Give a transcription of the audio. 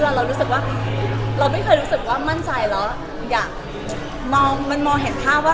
เรารู้สึกว่าเราไม่เคยรู้สึกว่ามั่นใจแล้วอยากมันมองเห็นภาพว่า